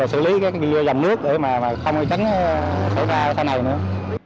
và xử lý cái dòng nước để mà không tránh xảy ra cái thang này nữa